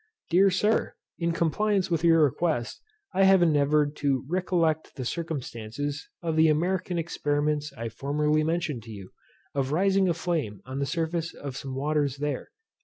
Dear Sir, In compliance with your request, I have endeavoured to recollect the circumstances of the American experiments I formerly mentioned to you, of raising a flame on the surface of some waters there.